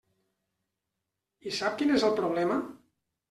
I sap quin és el problema?